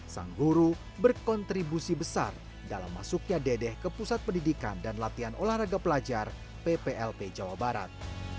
sang guru berkontribusi besar dalam masuknya dedeh ke pusat pendidikan dan latihan olahraga pelajar pplp jawa barat